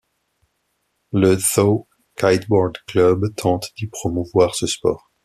Le Thau Kiteboard Club tente d'y promouvoir ce sport.